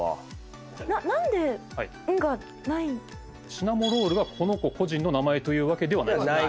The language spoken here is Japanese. シナモロールはこの子個人の名前というわけではない。